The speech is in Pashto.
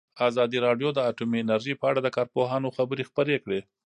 ازادي راډیو د اټومي انرژي په اړه د کارپوهانو خبرې خپرې کړي.